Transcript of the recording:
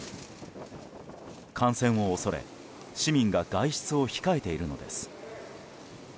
感染を恐れ市民が外出を控えているのです。